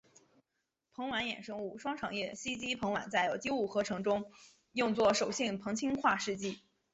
硼烷衍生物双长叶烯基硼烷在有机合成中用作手性硼氢化试剂。